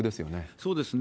そうですね。